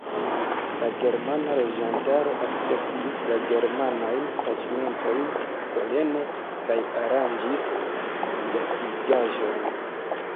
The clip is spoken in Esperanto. La germana loĝantaro akceptis la germanajn taĉmentojn solene kaj aranĝis gastigaĵon.